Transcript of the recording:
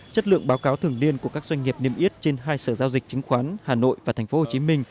chất lượng báo cáo thường niên của các doanh nghiệp niêm yết trên hai sở giao dịch chứng khoán hà nội và tp hcm